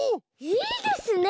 いいですね。